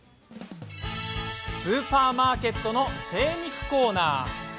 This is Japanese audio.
スーパーマーケットの精肉コーナー。